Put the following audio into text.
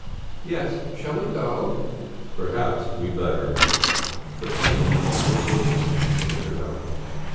"Yes; shall we go?" "Perhaps we'd better." The flame of conversation had flickered out.